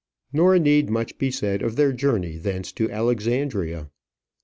Nor need much be said of their journey thence to Alexandria.